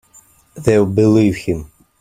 They'll believe him.